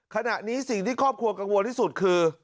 ขณะนี้สิ่งที่ครอบครัวกังวลที่สุดคือ